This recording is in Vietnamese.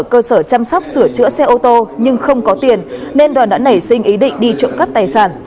cơ sở chăm sóc sửa chữa xe ô tô nhưng không có tiền nên đoàn đã nảy sinh ý định đi trộm cắp tài sản